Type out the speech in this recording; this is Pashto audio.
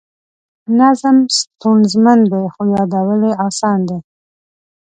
نظم ستونزمن دی خو یادول یې اسان دي.